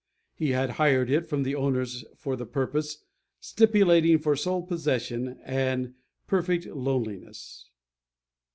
He had hired it from the owners for the purpose, stipulating for sole possession and perfect loneliness.